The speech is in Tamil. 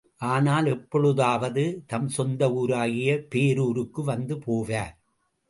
ஆனால் எப்பொழுதாவது தம் சொந்த ஊராகிய பேரூருக்கு வந்து போவார்.